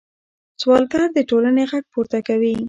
سوالګر د ټولنې غږ پورته کوي